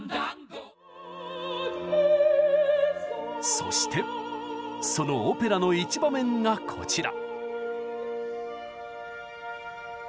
そしてそのオペラの一場面がこちら。